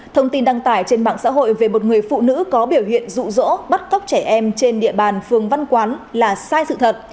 thông tin đăng tải trên mạng xã hội về một người phụ nữ có biểu hiện rụ rỗ bắt cóc trẻ em trên địa bàn phường văn quán là sai sự thật